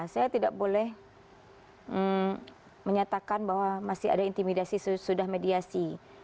saya tidak boleh menyatakan bahwa masih ada intimidasi sudah mediasi